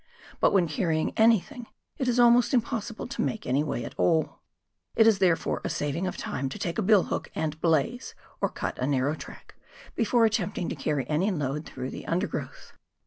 But when carrying anything it is almost impossible to make any way at all. It is therefore a saving of time to take a billhook and " blaze," or cut a narrow track, before attempting to carry any load through the undergrowth.